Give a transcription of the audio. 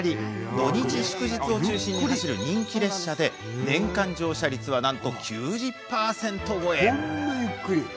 土日祝日を中心に走る人気列車で年間乗車率はなんと９０％超え。